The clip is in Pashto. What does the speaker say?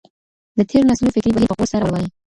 د تېرو نسلونو فکري بهير په غور سره ولولئ.